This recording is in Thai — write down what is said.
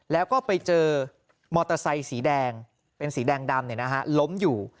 แล้วก็ไปเจอมอเตอร์ไซค์สีแดงเป็นสีแดงดำล้มอยู่